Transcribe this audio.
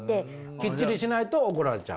きっちりしないと怒られちゃう？